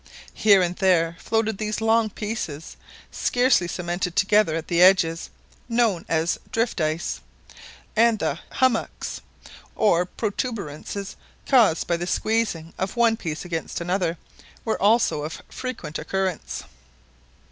Here and there floated these long pieces, scarcely cemented together at the edges, known as " drift ice," and the " hummocks," or protuberances caused by the squeezing of one piece against another, were also of frequent occurrence.